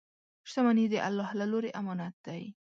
• شتمني د الله له لورې امانت دی.